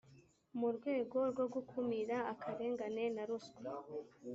mu rwego rwo gukumira akarengane na ruswa,